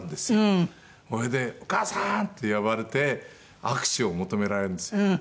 それで「お母さん！」って呼ばれて握手を求められるんですよ。